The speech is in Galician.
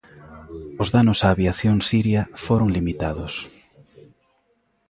Os danos á aviación siria foron limitados.